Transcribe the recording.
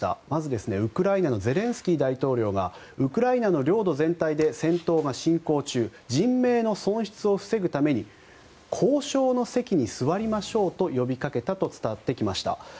まず、ウクライナのゼレンスキー大統領がウクライナの領土全体で戦闘が進行中人命の損失を防ぐために交渉の席に座りましょうと呼びかけたと伝わってきました。